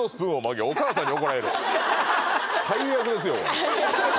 最悪ですよ